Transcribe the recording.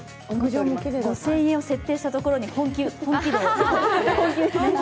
５０００円を設定したところに本気度を。